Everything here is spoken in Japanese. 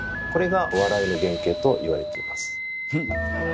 これが笑いの原形と言われています。